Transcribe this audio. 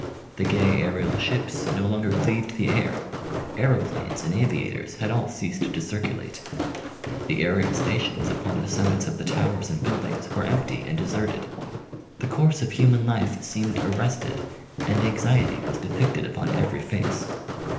The gay aerial ships no longer cleaved the air ; aeroplanes and aviators had all ceased to circu late. The aerial stations upon the summits of the towers and build ings were empty and de serted. The course of human life seemed ar rested, and anxiety was depicted upon every face.